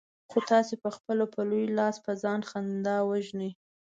خو تاسې پخپله په لوی لاس په ځان خندا وژنئ.